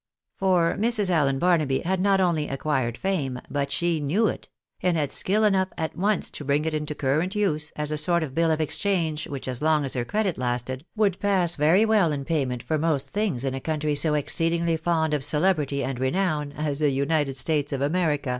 For Mrs. Allen Barnaby had not only acquired fame, but she knew it ; and had skiU enough at once to bring it into current use, as a sort of bill of exchange, which, as long as her credit lasted, would pass very well in payment for most things in a country so exceedingly fond of celebrity and renown as the United States of America.